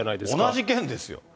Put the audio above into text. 同じ県ですよ。